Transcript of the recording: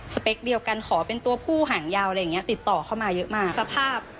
สภาพศพ